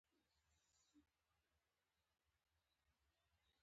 پاسنۍ برخې یې د دهلیزونو په نامه دي.